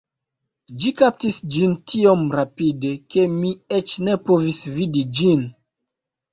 Ĝi kaptis ĝin tiom rapide, ke mi eĉ ne povis vidi ĝin